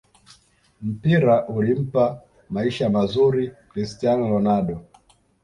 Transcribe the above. mpira ulimpa maisha mazuri cristian ronaldo